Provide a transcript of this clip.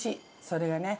それがね。